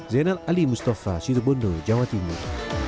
zainal ali mustafa situbondo jawa timur